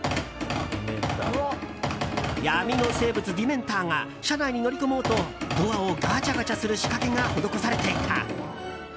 闇の生物ディメンターが車内に乗り込もうとドアをガチャガチャする仕掛けが施されていた。